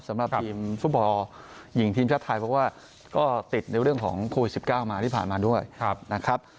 สำหรับทีมฟุตบอลหญิงทีมชาติไทยเพราะว่าก็ติดในเรื่องของโควิด๑๙มาที่ผ่านมาด้วยนะครับ